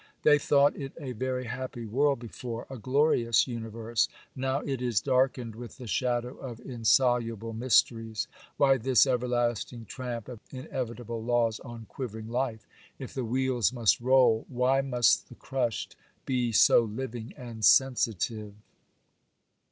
They thought it a very happy world before,—a glorious universe. Now it is darkened with the shadow of insoluble mysteries. Why this everlasting tramp of inevitable laws on quivering life? If the wheels must roll, why must the crushed be so living and sensitive?